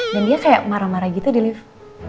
dan dia kayak marah marah gitu di lift